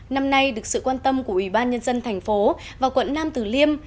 năm nay được sự quan tâm của ủy ban nhân dân thành phố và quận nam tử liêm